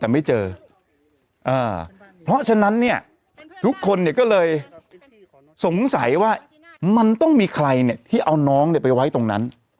เพราะฉะนั้นเนี่ยทุกคนก็เลยสงสัยว่ามันต้องมีใครเนี่ยที่เอาน้องไปไว้ตรงนั้น